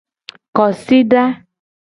Kosida.